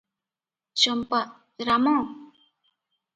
Champa - Ram!